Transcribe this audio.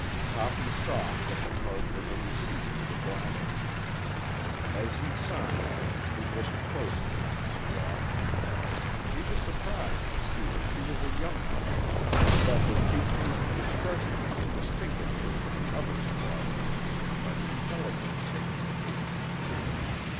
Toppy saw that the card was a receipt for the blankets. As he signed, he looked closely at the squaw. He was surprised to see that she was a young woman, and that her features and expression distinguished her from the other squaws he had seen by the intelligence they indicated.